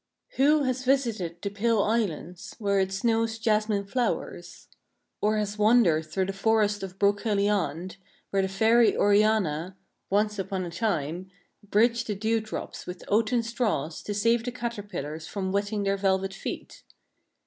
3 Who has visited the Pale Islands , where it snows jasmine flowers; or has wandered through the Forest of Broceliande , where the fairy Oriana, " once upon a timef bridged the dew drops with oaten straws to save the caterpillars from wetting their velvet feet